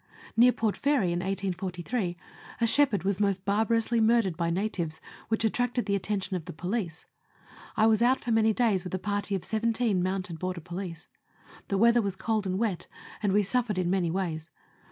Near Port Fairy, in 1843, a shepherd was most barbarously murdered by natives, which attracted the attention of the police. I was out for many days with a party of seventeen mounted border police. The weather was cold and wet, and we suffered in many ways.